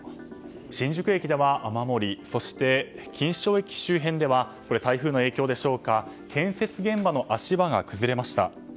新宿駅では雨漏りそして錦糸町駅周辺では台風の影響でしょうか建設現場の足場が崩れました。